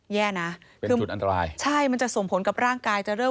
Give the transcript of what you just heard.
แย่นะคือใช่มันจะส่งผลกับร่างกายเป็นจุดอันตราย